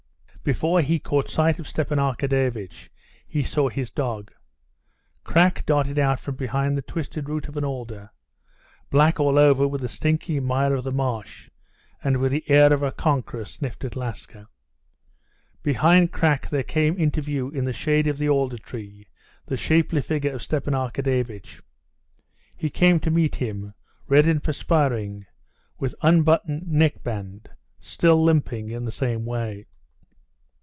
Before he caught sight of Stepan Arkadyevitch he saw his dog. Krak darted out from behind the twisted root of an alder, black all over with the stinking mire of the marsh, and with the air of a conqueror sniffed at Laska. Behind Krak there came into view in the shade of the alder tree the shapely figure of Stepan Arkadyevitch. He came to meet him, red and perspiring, with unbuttoned neckband, still limping in the same way.